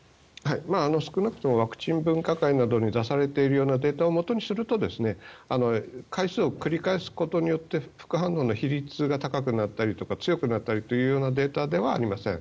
少なくともワクチン分科会などに出されているようなデータをもとにすると回数を繰り返すことによって副反応の比率が高くなったりとか強くなったりというデータではありません。